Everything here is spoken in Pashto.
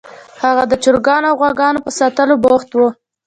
هغه د چرګو او غواګانو په ساتلو بوخت و